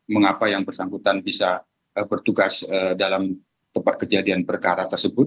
mengapa yang bersangkutan bisa bertugas dalam tempat kejadian perkara tersebut